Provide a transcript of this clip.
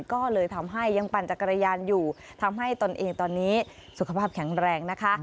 ก็เลยทำให้ยังปั่นจักรยานอยู่ทำให้ตนเองตอนนี้สุขภาพแข็งแรงนะคะ